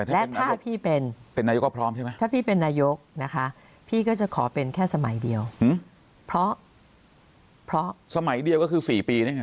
และถ้าพี่เป็นเป็นนายกก็พร้อมใช่ไหมถ้าพี่เป็นนายกนะคะพี่ก็จะขอเป็นแค่สมัยเดียวเพราะสมัยเดียวก็คือ๔ปีนี่ไง